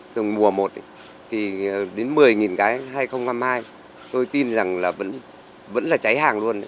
từ mùa một đến một mươi cái tôi tin là vẫn là cháy hàng luôn